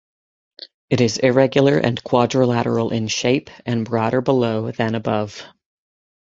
It is irregular and quadrilateral in shape and broader below than above.